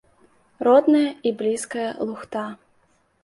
Родная і блізкая лухта.